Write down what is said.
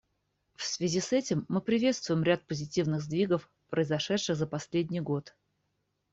В связи с этим мы приветствуем ряд позитивных сдвигов, произошедших за последний год.